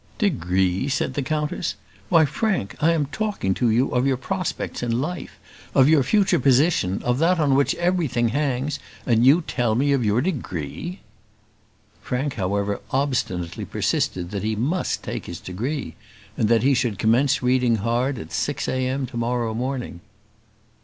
"Degree!" said the countess. "Why, Frank, I am talking to you of your prospects in life, of your future position, of that on which everything hangs, and you tell me of your degree!" Frank, however, obstinately persisted that he must take his degree, and that he should commence reading hard at six a.m. to morrow morning.